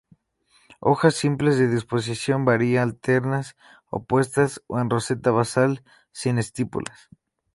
Hojas simples de disposición varia, alternas, opuestas o en roseta basal, sin estípulas.